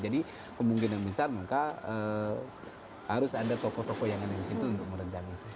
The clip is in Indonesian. jadi kemungkinan besar maka harus ada tokoh tokoh yang ada disitu untuk merencananya